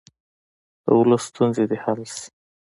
د ولس ستونزې دې حل شي.